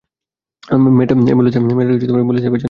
মেয়েটা অ্যাম্বুলেন্সের পেছনে আছে, স্যার।